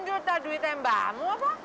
gak laku ya sekarang